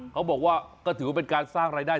เขาบอกว่าก็ถือว่าเป็นการสร้างรายได้